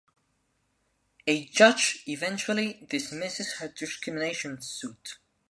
A judge eventually dismisses her discrimination suit.